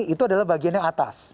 itu adalah bagian yang atasnya